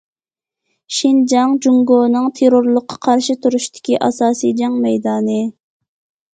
شىنجاڭ جۇڭگونىڭ تېررورلۇققا قارشى تۇرۇشتىكى ئاساسىي جەڭ مەيدانى.